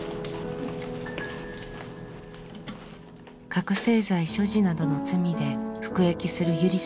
覚醒剤所持などの罪で服役するゆりさん。